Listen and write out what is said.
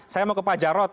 saya mau ke pak jarod